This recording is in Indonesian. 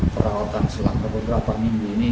peralatan selangkah beberapa minggu ini